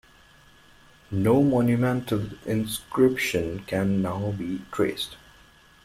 No monumental inscription can now be traced.